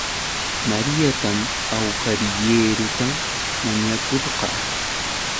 Mariatam awhariieruta mañakurqaa